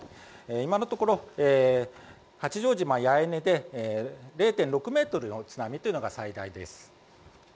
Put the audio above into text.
今のところ八丈島・八重根で０．６ｍの津波というのが最大です。